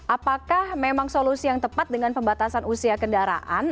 apakah memang solusi yang tepat dengan pembatasan usia kendaraan